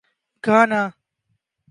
Ghana